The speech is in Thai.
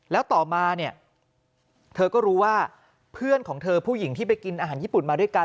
แล้วต่อมาเนี่ยเธอก็รู้ว่าเพื่อนของเธอผู้หญิงที่ไปกินอาหารญี่ปุ่นมาด้วยกัน